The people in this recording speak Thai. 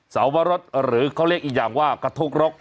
สาวรสหรือเขาเรียกอีกอย่างว่ากระทกรก